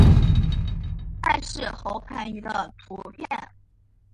艾氏喉盘鱼的图片